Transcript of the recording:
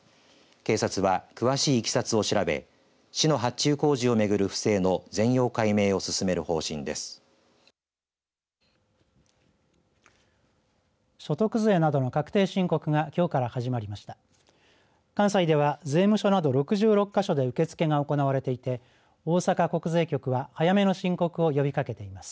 警察は詳しい、いきさつを調べ市の発注工事を巡る不正の全容解明を進める方針です。